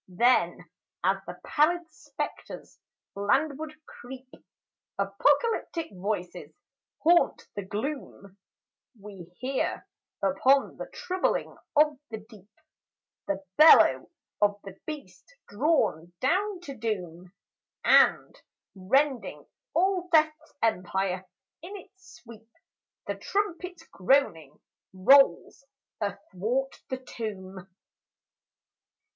Then, as the pallid spectres landward creep, Apocalyptic voices haunt the gloom; We hear, upon the troubling of the deep, The bellow of the Beast drawn down to doom; And rending all Death's empire in its sweep, The trumpet's groaning rolls athwart the tomb.